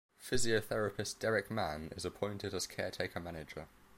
Physiotherapist Derek Mann is appointed as caretaker manager.